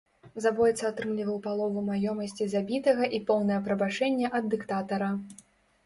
Забойца атрымліваў палову маёмасці забітага і поўнае прабачэнне ад дыктатара.